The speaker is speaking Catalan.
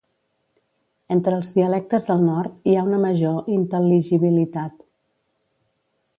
Entre els dialectes del nord hi ha una major intel·ligibilitat.